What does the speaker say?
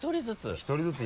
１人ずつ？